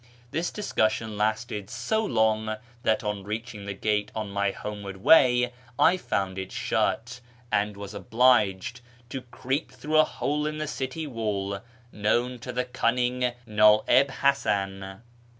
This discussion lasted so long that on reaching the gate on my homeward way I found it shut, and was obliged to creep through a hole in the city wall known to the cunning Na'ib Hasan.